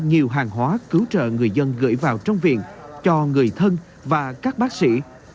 nhiều hàng hóa cứu trợ người dân gửi vào trong viện cho người thân và các bác sĩ